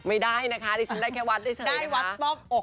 ไม่ได้นะคะอีชิตได้แค่วัดได้เฉยนะคะ